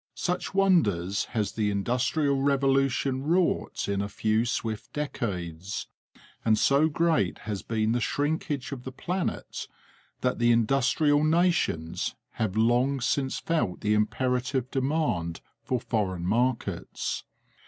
Such wonders has the industrial revolution wrought in a few swift decades, and so great has been the shrinkage of the planet, that the industrial nations have long since felt the imperative demand for foreign markets.